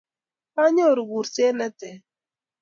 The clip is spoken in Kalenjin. kanyoru kurset ne ter